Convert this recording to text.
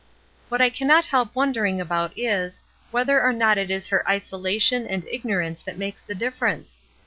WTiat I cannot help wondering about is, whether or not it is her isolation and ignorance that makes the difference.